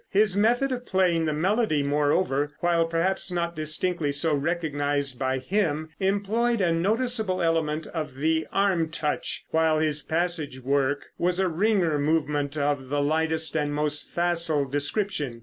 His method of playing the melody, moreover, while perhaps not distinctly so recognized by him, employed a noticeable element of the arm touch, while his passage work was a ringer movement of the lightest and most facile description.